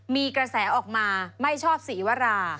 มีกระแสออกมาไม่ชอบศรีวรา